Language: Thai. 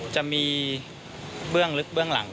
จะมีเบื้องลึกเบื้องหลัง